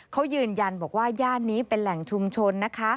เขายืนยันบอกว่าย่านนี้เป็นแหล่งชุมชนนะคะ